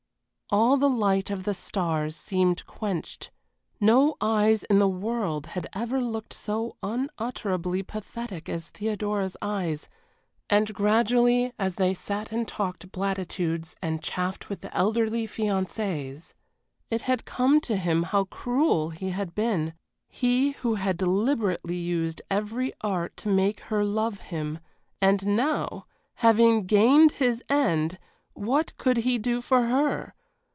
All the light of the stars seemed quenched, no eyes in the world had ever looked so unutterably pathetic as Theodora's eyes, and gradually as they sat and talked platitudes and chaffed with the elderly fiancées, it had come to him how cruel he had been he who had deliberately used every art to make her love him and now, having gained his end, what could he do for her?